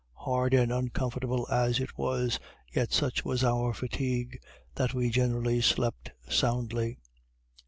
Hard and uncomfortable as it was, yet such was our fatigue that we generally slept soundly.